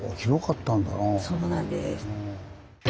そうなんです。